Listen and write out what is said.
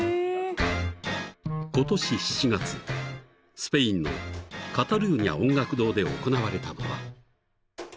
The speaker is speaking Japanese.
［スペインのカタルーニャ音楽堂で行われたのは］